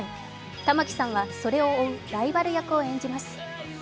玉木さんはそれを追う、ライバル役を演じます。